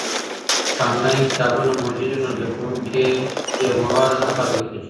که انلاین کتابونه موجود وي، زده کوونکي بې موادو نه پاته کېږي.